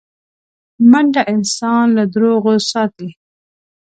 منډه انسان له دروغو ساتي